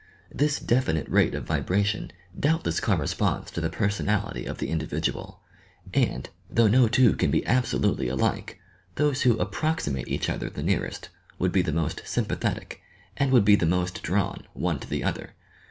This definite rate of vibration doubtless corresponds to the personality of the individual, and, though no two can be absolutely alike, those who approximate each other the nearest, would be the most sympathetic and would be the most drawn one to the other.